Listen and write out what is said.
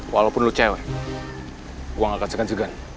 walaupun lu cewek gue gak akan segan segan